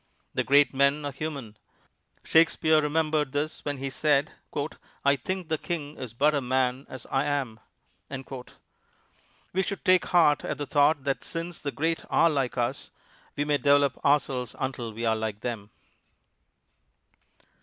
The great men are human. Shakespeare remembered this when he said, "I think the king is but a man as I am." We should take heart at the thought that since the great are like us, we may develop ourselves until we are like them.